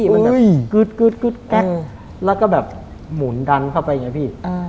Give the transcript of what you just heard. มันกึดกึดกึดแกล๊กแล้วก็แบบหมุนดันเข้าไป